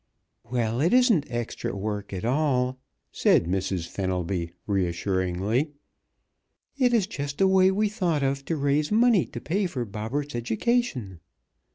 "Well, it isn't extra work at all," said Mrs. Fenelby reassuringly. "It is just a way we thought of to raise money to pay for Bobberts' education.